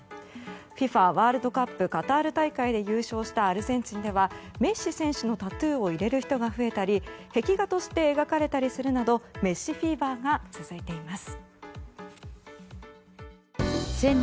ＦＩＦＡワールドカップカタール大会で優勝したアルゼンチンではメッシ選手のタトゥーを入れる人が増えたり壁画として描かれたりするなどメッシフィーバーが続いています。